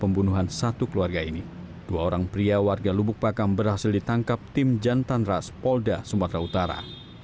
ketika polisi menangkap seorang keluarga dua orang pria warga lubuk pakam berhasil ditangkap tim jantan ras polda sumatera utara